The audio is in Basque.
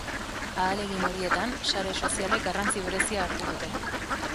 Ahalegin horietan sare sozialek garrantzi berezia hartu dute.